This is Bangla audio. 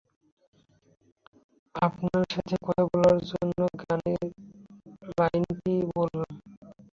আপনার সাথে কথা বলার জন্য গানের লাইনটি বললাম।